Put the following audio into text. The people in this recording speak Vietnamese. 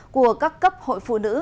của các cấp hội phụ nữ